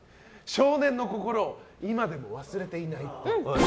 少年の心を今でも忘れていないっぽい。